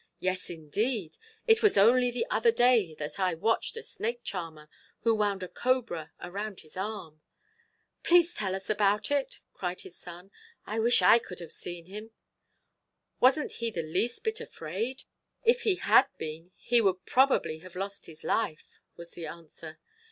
"Yes, indeed. It was only the other day that I watched a snake charmer, who wound a cobra around his arm." "Please tell us about it," cried his son. "I wish I could have seen him. Wasn't he the least bit afraid?" "If he had been, he would probably have lost his life," was the answer.